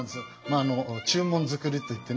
あの中門造りといってね。